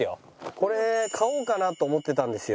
これ買おうかなと思ってたんですよ